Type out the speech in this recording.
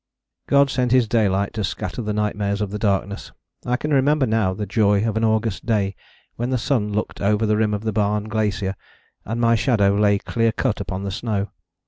God sent His daylight to scatter the nightmares of the darkness. I can remember now the joy of an August day when the sun looked over the rim of the Barne Glacier, and my shadow lay clear cut upon the snow.